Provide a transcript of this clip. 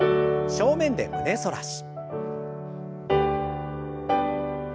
正面で胸反らし。